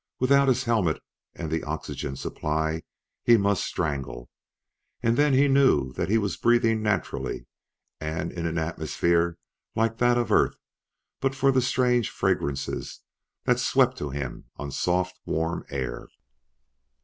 Without his helmet and the oxygen supply, he must strangle. And then he knew that he was breathing naturally in an atmosphere like that of Earth but for the strange fragrances that swept to him on the soft, warm air.